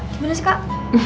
gimana sih kak